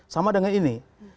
sama dengan ini